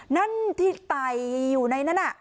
นั่นที่ไต่อยู่ในนั้น